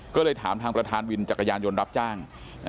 ก็เลยถามทางประธานวินจักรยานยนต์รับจ้าง